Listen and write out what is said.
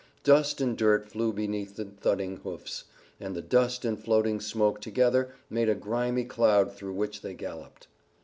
Dust and dirt flew beneath the thudding hoofs, and the dust and floating smoke together made a grimy cloud through which they galloped.